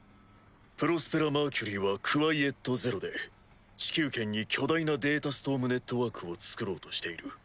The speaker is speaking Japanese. プロスペラ・マーキュリーはクワイエット・ゼロで地球圏に巨大なデータストームネットワークを作ろうとしている。